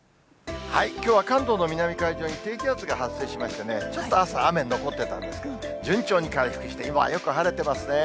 きょうは関東の南海上に低気圧が発生しましてね、ちょっと朝、雨残ってたんですけど、順調に回復して、今はよく晴れてますね。